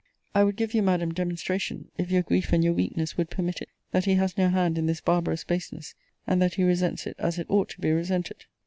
I would give you, Madam, demonstration, if your grief and your weakness would permit it, that he has no hand in this barbarous baseness: and that he resents it as it ought to be resented.